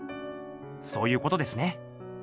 そういうことですね。